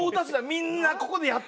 みんな？